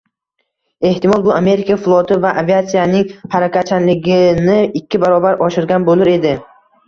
Ehtimol bu Amerika floti va aviatsiyasining harakatchanligini ikki barobar oshirgan bo‘lur edi